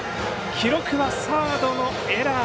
記録はサードのエラー。